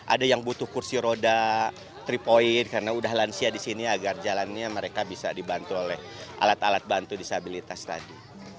ada yang butuh kursi roda tiga point karena udah lansia di sini agar jalannya mereka bisa dibantu oleh alat alat bantu disabilitas tadi